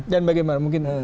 dan bagaimana mungkin